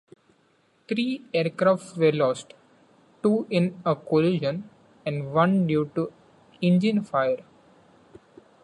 Three aircraft were lost: two in a collision and one due to engine fire.